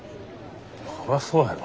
そらそやろ。